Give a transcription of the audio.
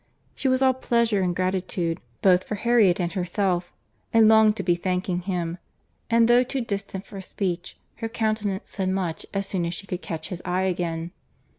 She was all pleasure and gratitude, both for Harriet and herself, and longed to be thanking him; and though too distant for speech, her countenance said much, as soon as she could catch his eye again.